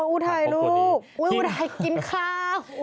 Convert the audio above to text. อุไทยลูกอุไทยกินข้าว